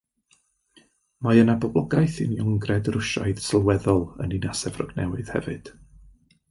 Mae yna boblogaeth Uniongred Rwsiaidd sylweddol yn Ninas Efrog Newydd hefyd.